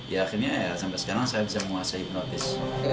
ya akhirnya ya sampai sekarang saya bisa menguasai hipnotis